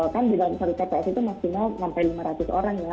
kan di dalam satu tps itu maksimal sampai lima ratus orang ya